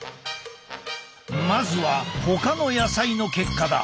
まずはほかの野菜の結果だ。